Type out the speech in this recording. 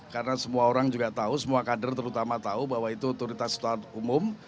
karena semua orang juga tahu semua kader terutama tahu bahwa itu otoritas kota umum